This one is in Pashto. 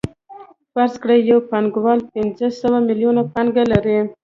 فرض کړئ یو پانګوال پنځه سوه میلیونه پانګه لري